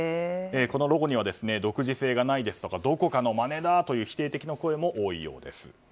このロゴには独自性がないですとかどこかのまねだという否定的な声も多いようです。